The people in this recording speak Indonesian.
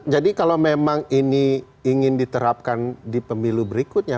jadi kalau memang ini ingin diterapkan di pemilu berikutnya